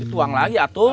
itu uang lagi atuh